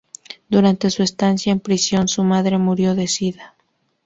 Durante su estancia en prisión, su madre murió de sida.